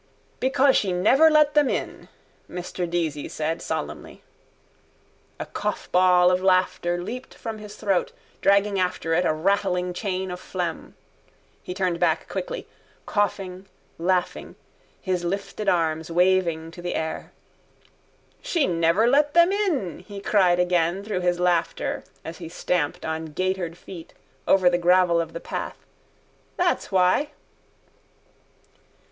—Because she never let them in, Mr Deasy said solemnly. A coughball of laughter leaped from his throat dragging after it a rattling chain of phlegm. He turned back quickly, coughing, laughing, his lifted arms waving to the air. —She never let them in, he cried again through his laughter as he stamped on gaitered feet over the gravel of the path. That's why.